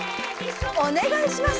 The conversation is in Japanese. お願いします！